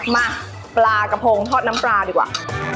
มาปลากระพงทอดน้ำปลาดีกว่า